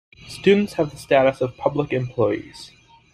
Students have the status of public employees.